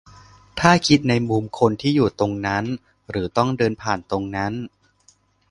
ถ้าคิดในมุมคนที่อยู่ตรงนั้นหรือต้องเดินผ่านตรงนั้น